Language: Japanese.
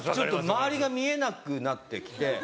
周りが見えなくなってきて。